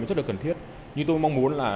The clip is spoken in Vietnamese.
rất là cần thiết nhưng tôi mong muốn là